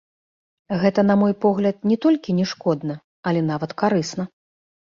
Гэта, на мой погляд, не толькі не шкодна, але нават карысна.